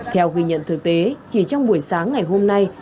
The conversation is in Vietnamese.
theo ghi nhận thực tế chỉ trong buổi sáng ngày hôm nay